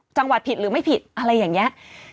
จังหวัดผิดหรือไม่ผิดอะไรอย่างนี้